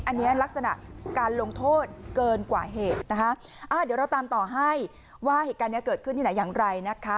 อันนี้ลักษณะการลงโทษเกินกว่าเหตุนะคะอ่าเดี๋ยวเราตามต่อให้ว่าเหตุการณ์นี้เกิดขึ้นที่ไหนอย่างไรนะคะ